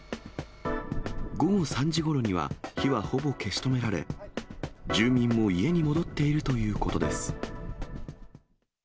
午後３時ごろには火はほぼ消し止められ、住民も家に戻っているということです。